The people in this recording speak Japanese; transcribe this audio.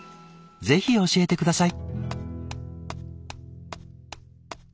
ぜひ教えて下さい。